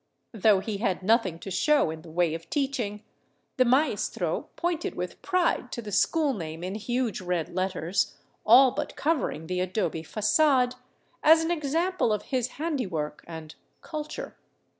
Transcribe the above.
Though he had nothing to show in the way of teaching, the maestro pointed with pride to the school name in huge red letters, all but covering the adobe facade, as an example of his handiwork and *' culture."